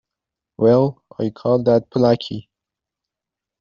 Well, I call that plucky!